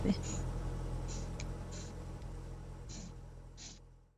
কিন্তু এখন আমাদের যেতে হবে।